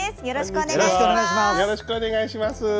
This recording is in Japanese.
よろしくお願いします。